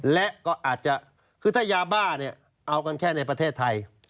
และก็อาจจะคือถ้ายาบ้าเนี่ยเอากันแค่ในประเทศไทย